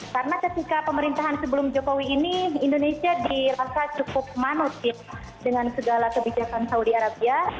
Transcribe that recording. karena ketika pemerintahan sebelum jokowi ini indonesia dirasa cukup manusia dengan segala kebijakan saudi arabia